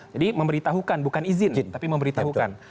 jadi memberitahukan bukan izin tapi memberitahukan